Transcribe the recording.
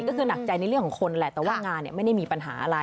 ก็คือหนักใจในเรื่องของคนแหละแต่ว่างานไม่ได้มีปัญหาอะไร